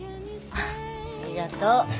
ありがとう。